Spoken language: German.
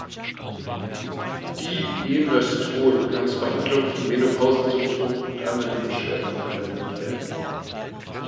Dienöstrol kann zur Behandlung von Menopausensymptomen und anderen Beschwerden verwendet werden.